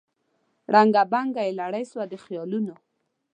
ړنګه بنګه یې لړۍ سوه د خیالونو